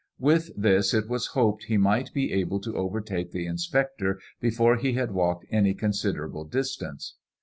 With this it was hoped he might be able to overtake the inspector before he had walked any con siderable distance.